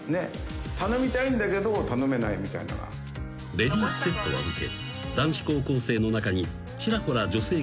［レディースセットは受け］